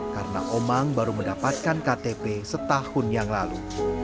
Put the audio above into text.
karena omang baru mendapatkan ktp setahun yang lalu